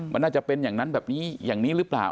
มันน่าจะเป็นอย่างนั้นแบบนี้อย่างนี้หรือเปล่า